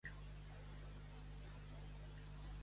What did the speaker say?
Ací la mate, ací la pele.